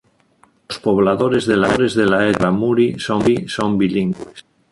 Los pobladores de la etnia rarámuri son bilingües.